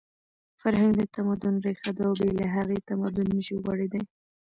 فرهنګ د تمدن ریښه ده او بې له هغې تمدن نشي غوړېدی.